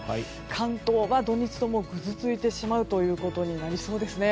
関東は土日ともぐずついてしまうということになりそうですね。